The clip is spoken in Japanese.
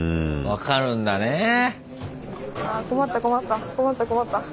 分かるんだねえ。